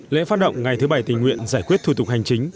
lễ phát động ngày thứ bảy tình nguyện giải quyết thủ tục hành chính